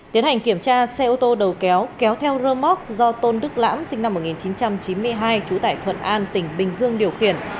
tiến hành kiểm tra xe ô tô đầu kéo kéo theo rơ móc do tôn đức lãm sinh năm một nghìn chín trăm chín mươi hai trú tải thuận an tỉnh bình dương điều khiển